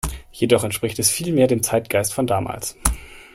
Jedoch entspricht es viel mehr dem Zeitgeist von damals.